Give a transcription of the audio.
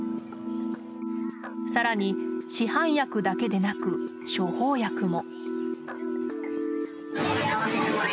更に、市販薬だけでなく処方薬も。